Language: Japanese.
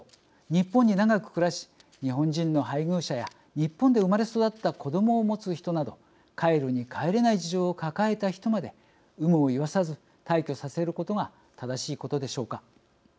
日本に長く暮らし日本人の配偶者や日本で生まれ育った子どもを持つ人など帰るに帰れない事情を抱えた人まで有無を言わさず退去させることが正しいことでしょうか。